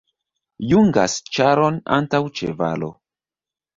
Jungas ĉaron antaŭ ĉevalo.